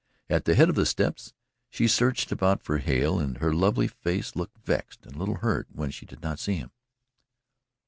At the head of the steps she searched about for Hale and her lovely face looked vexed and a little hurt when she did not see him.